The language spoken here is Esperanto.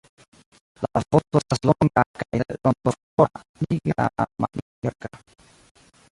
La vosto estas longa kaj rondoforma, nigrablanka.